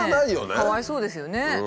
かわいそうですよね。